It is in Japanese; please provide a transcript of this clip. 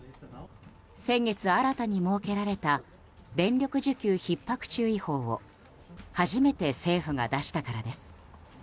先月新たに設けられた電力需給ひっ迫注意報を初めて政府が出したからです。